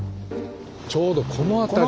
ちょうどこの辺り。